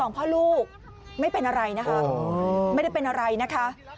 พ่อลูกไม่เป็นอะไรนะคะไม่ได้เป็นอะไรนะคะ